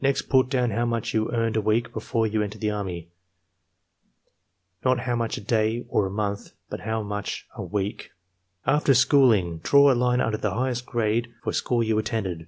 "Next put down how much you earned a week before you entered the Army; not how much a day or a month, but how much a iveek" EXAMINER'S GUIDE 63 "After 'Schooling/ draw a line under the highest grade or school you attended.